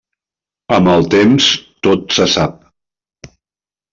Amb el temps, tot se sap.